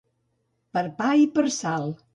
Per pa i per sal.